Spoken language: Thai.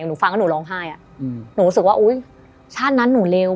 หนูฟังก็หนูร้องไห้อ่ะอืมหนูรู้สึกว่าอุ้ยชาตินั้นหนูเลว